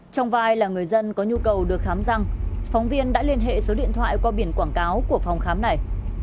trong vai là người dân có nhu cầu được khám răng phóng viên đã liên hệ số điện thoại qua biển quảng cáo của phòng khám này